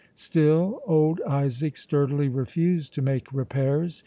Still old Isaac sturdily refused to make repairs.